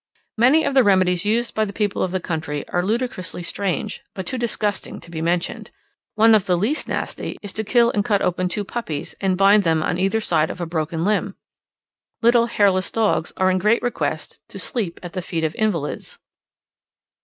Many of the remedies used by the people of the country are ludicrously strange, but too disgusting to be mentioned. One of the least nasty is to kill and cut open two puppies and bind them on each side of a broken limb. Little hairless dogs are in great request to sleep at the feet of invalids.